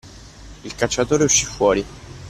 Il cacciatore uscì fuori